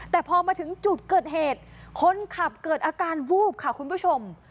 แต่พอมาถึงจุดเกิดเหตุคนขับเกิดอาการวูบค่ะคุณผู้ชม